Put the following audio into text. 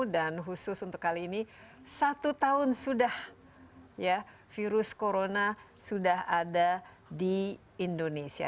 dan khusus untuk kali ini satu tahun sudah virus corona sudah ada di indonesia